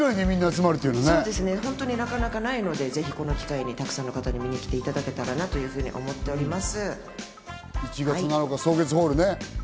なかなかないので、ぜひこの機会に沢山の方に見に来ていただけたらなと思っております。